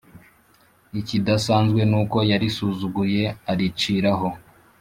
ikidasanzwe nuko yarisuzugura ariciraho